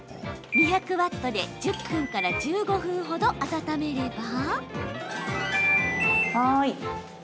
２００ワットで１０分から１５分ほど温めれば。